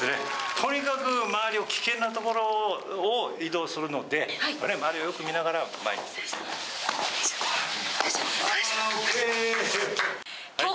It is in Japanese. とにかく周りを、危険な所を移動するので、周りをよく見ながら前に進む。ＯＫ。